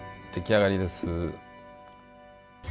出来上がりです。